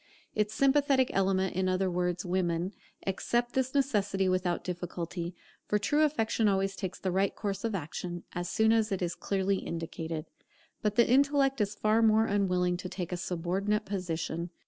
Its sympathetic element, in other words, women, accept this necessity without difficulty; for true affection always takes the right course of action, as soon as it is clearly indicated. But the intellect is far more unwilling to take a subordinate position.